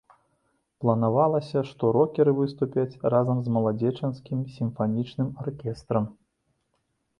Планавалася, што рокеры выступяць разам з маладзечанскім сімфанічным аркестрам.